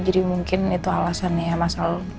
jadi mungkin itu alasannya masalah